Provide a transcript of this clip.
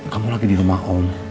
kamu lagi di rumah om